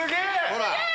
ほら。